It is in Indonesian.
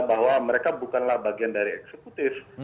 bahwa mereka bukanlah bagian dari eksekutif